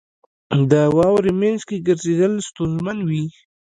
• د واورې مینځ کې ګرځېدل ستونزمن وي.